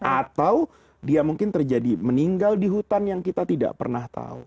atau dia mungkin terjadi meninggal di hutan yang kita tidak pernah tahu